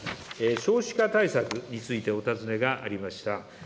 少子化対策についてお尋ねがありました。